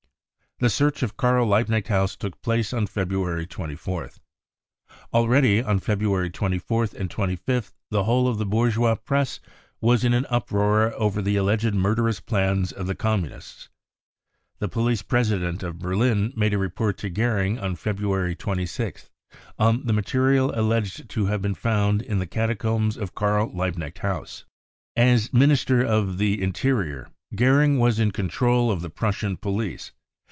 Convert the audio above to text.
The search of Karl Liebknecht House took place on February 24th. Already on February 24th | and 25th the whole of the bourgeois Press was in an uproar 9ver the alleged murderous plans of the Communists. The I police president of Berlin made a report to Goering on I 120 BROWN BOOK OF THE HITLER TERROR February 26th on the material alleged to have been found in the catacombs of Karl Liebknecht House. As Minister of T fhe Interior, Goering was in control of the Prussian police.